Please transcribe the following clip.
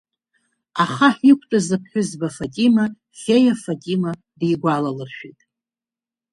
Ахаҳә иқәтәаз аԥҳәызба Фатима, Феиа-Фатима дигәалалыршәеит.